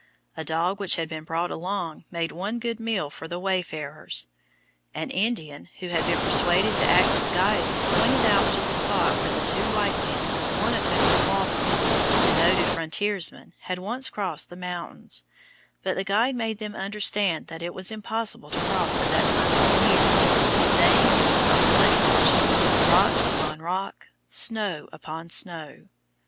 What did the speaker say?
A dog which had been brought along made one good meal for the wayfarers. An Indian who had been persuaded to act as guide pointed out the spot where two white men, one of whom was Walker, a noted frontiersman, had once crossed the mountains; but the guide made them understand that it was impossible to cross at that time of the year, saying, in his own language, "Rock upon rock, snow upon snow."